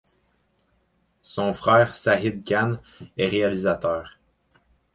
Son frère, Sajid Khan, est réalisateur.